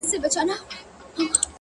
ستا د زلفو په خنجر کي را ايسار دی!